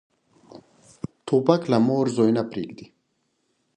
توپک له مور زوی نه پرېږدي.